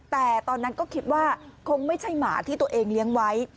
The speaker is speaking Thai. แต่ตอนนั้นก็คิดว่าคงไม่ใช่หมาที่ตัวเองเลี้ยงไว้